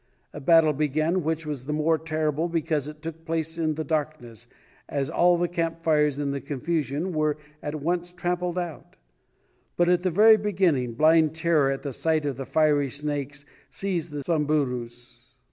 A battle began, which was the more terrible because it took place in the darkness, as all the camp fires in the confusion were at once trampled out. But, at the very beginning, blind terror at the sight of the fiery snakes seized the Samburus.